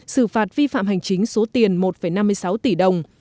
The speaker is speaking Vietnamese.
xử phạt vi phạm hành chính số tiền một năm mươi sáu tỷ đồng